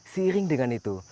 seiring dengan itu